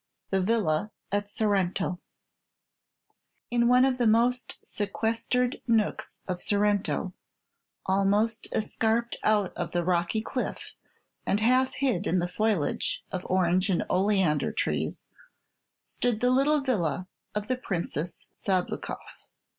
THE VILLA AT SORRENTO In one of the most sequestered nooks of Sorrento, almost escarped out of the rocky cliff, and half hid in the foliage of orange and oleander trees, stood the little villa of the Princess Sabloukoff.